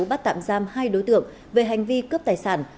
bắt tạm giam hai đối tượng về hành vi cướp tài sản